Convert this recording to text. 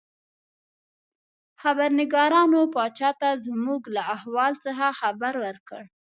خبرنګارانو پاچا ته زموږ له احوال څخه خبر ورکړ.